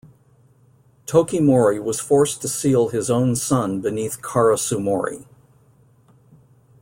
Tokimori was forced to seal his own son beneath Karasumori.